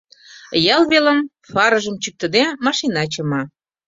Ял велым, фарыжым чӱктыде, машина чыма.